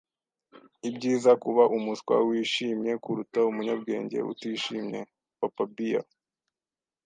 Ibyiza kuba umuswa wishimye kuruta umunyabwenge utishimye. (papabear)